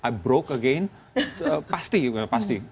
i broke again pasti